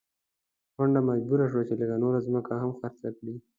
کونډه مجبوره شوه چې لږه نوره ځمکه هم خرڅه کړي.